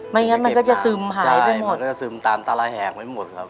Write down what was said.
ไม่งั้นมันก็จะซึมหายไปหมด